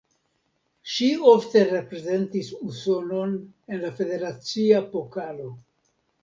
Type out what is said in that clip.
Ŝi ofte reprezentis Usonon en la Federacia Pokalo.